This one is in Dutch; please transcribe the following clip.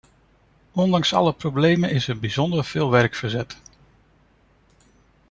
Ondanks alle problemen is er bijzonder veel werk verzet.